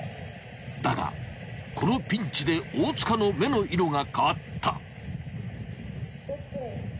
［だがこのピンチで大塚の目の色が変わった］